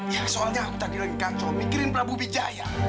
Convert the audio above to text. ya soalnya aku tadi lagi kacau mikirin prabu wijaya